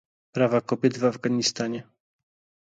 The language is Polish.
Prawa kobiet w Afganistanie